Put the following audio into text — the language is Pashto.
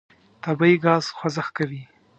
طبیعي ګاز خوځښت کوي.